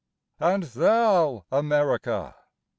And thou, America!